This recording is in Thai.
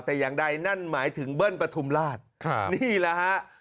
แต่อย่างใดนั่นหมายถึงเบิ้ลปฐุมราชนี่แหละฮะ